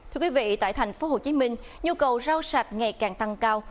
thưa quý vị tại thành phố hồ chí minh nhu cầu rau sạch ngày càng tăng cao